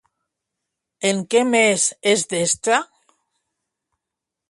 En què més és destre?